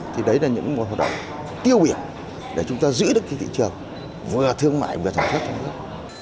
thì đấy là những hoạt động tiêu biệt để chúng ta giữ được cái thị trường vừa thương mại vừa sản xuất